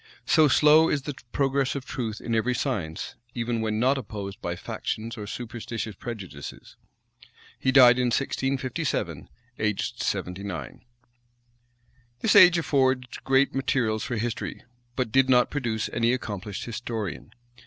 So slow is the progress of truth in every science, even when not opposed by factious or superstitious prejudices. He died in 1657, aged seventy nine. This age affords great materials for history; but did not produce any accomplished historian.